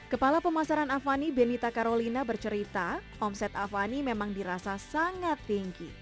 kepala pemasaran avani benita karolina bercerita omset avani memang dirasa sangat tinggi